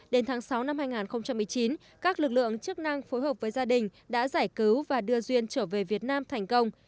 đến tháng sáu năm hai nghìn một mươi chín các lực lượng chức năng phối hợp với gia đình đã giải cứu và đưa duyên trở về việt nam thành công